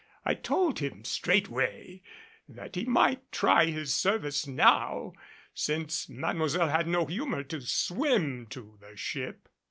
I told him straightway that he might try his service now, since Mademoiselle had no humor to swim to the ship.